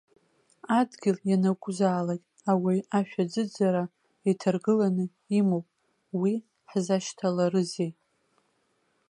Адгьыл ианакәзаалак ауаҩ ашәаӡыӡара иҭаргыланы имоуп, уи ҳзашьҭаларызеи.